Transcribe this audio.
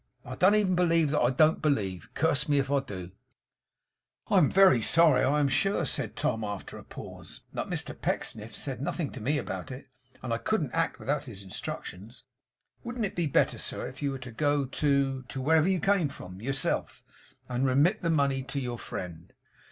I don't even believe that I DON'T believe, curse me if I do!' 'I am very sorry, I am sure,' said Tom after a pause, 'but Mr Pecksniff said nothing to me about it, and I couldn't act without his instructions. Wouldn't it be better, sir, if you were to go to to wherever you came from yourself, and remit the money to your friend?